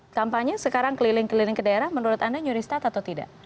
kampanye sekarang keliling keliling ke daerah menurut anda nyuristat atau tidak